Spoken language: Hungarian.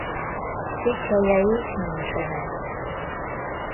Pikkelyeik nincsenek.